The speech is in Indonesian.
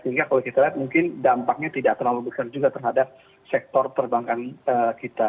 sehingga kalau kita lihat mungkin dampaknya tidak terlalu besar juga terhadap sektor perbankan kita